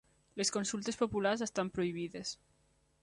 Les consultes populars estan prohibides